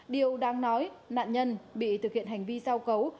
điều đáng nói nạn nhân bị thực hiện hành vi giao cấu